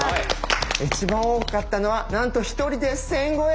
一番多かったのはなんと１人で１，０００超え！